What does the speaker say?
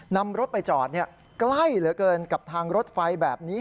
นำรถไปจอดใกล้เหลือเกินกับทางรถไฟแบบนี้